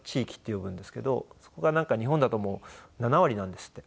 そこが日本だと７割なんですって。